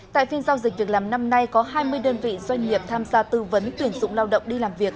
tại phiên giao dịch việc làm năm nay có hai mươi đơn vị doanh nghiệp tham gia tư vấn tuyển dụng lao động đi làm việc